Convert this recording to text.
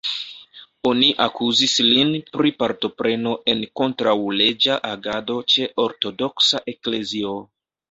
Oni akuzis lin pri partopreno en kontraŭleĝa agado ĉe Ortodoksa Eklezio.